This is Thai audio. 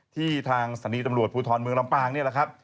ทางสถานีตำรวจภูทรเมืองลำปางนี่แหละครับ